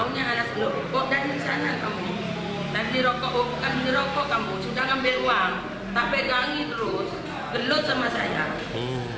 mau yang anak seluruh pokok dan di sana kamu